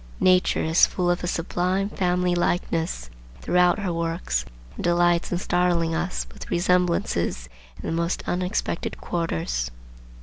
Nature is full of a sublime family likeness throughout her works, and delights in startling us with resemblances in the most unexpected quarters.